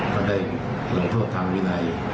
ก็ได้ลงโทษทางวินัย